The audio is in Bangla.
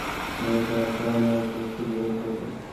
ভরসা রাখো, আমরা ওকে খুঁজে বের করবো।